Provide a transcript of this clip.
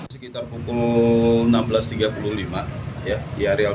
sekitar pukul enam belas tiga puluh lima ya di area perusakan